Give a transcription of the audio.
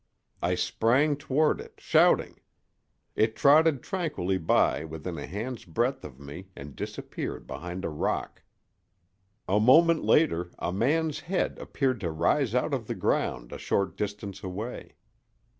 I sprang toward it, shouting. It trotted tranquilly by within a hand's breadth of me and disappeared behind a rock. A moment later a man's head appeared to rise out of the ground a short distance away.